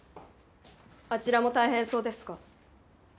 あちらも大変そうですが。